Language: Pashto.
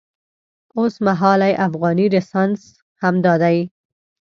اوسمهالی افغاني رنسانس همدا دی.